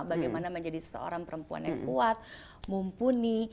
bagaimana menjadi seorang perempuan yang kuat mumpuni